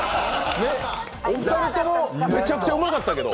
お二人とも、めちゃくちゃうまかったけど。